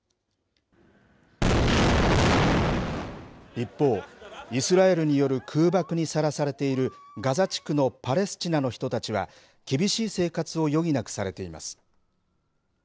一方、イスラエルによる空爆にさらされているガザ地区のパレスチナの人たちは、厳しい生活を余儀なくされています。